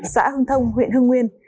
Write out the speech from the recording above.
xã hưng thông huyện hưng nguyên